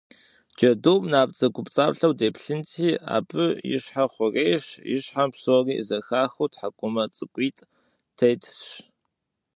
Джэдум набдзэгубдзаплъэу деплъынти, абы и щхьэр хъурейщ, и щхьэм псори зэхахыу тхьэкӏумэ цӏыкӏуитӏ тетщ.